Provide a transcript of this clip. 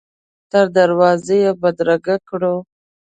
تر دروازې یې بدرګه کړو.